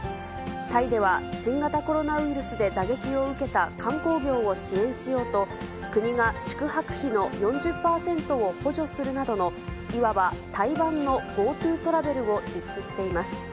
タイでは、新型コロナウイルスで打撃を受けた観光業を支援しようと、国が宿泊費の４０％を補助するなどの、いわばタイ版のＧｏＴｏトラベルを実施しています。